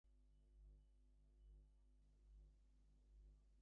The lawn is of international standard and is maintained daily green and glowing.